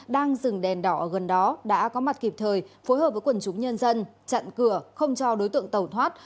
đang dừng đèn đỏ gần đó đã có mặt kịp thời phối hợp với quần chúng nhân dân chặn cửa không cho đối tượng tẩu thoát